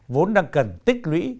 vốn đang cần tích lũy